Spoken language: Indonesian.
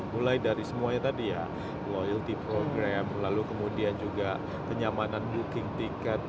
mulai dari semuanya tadi ya loyalty program lalu kemudian juga kenyamanan booking tiket